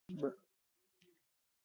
بادام په سمنګان کې مشهور دي